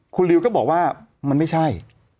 คุณลิวก็บอกว่ามันไม่ใช่